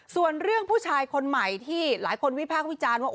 ส่วนเรื่องผู้ชายคนใหม่ที่หลายคนวิพากษ์วิจารณ์ว่า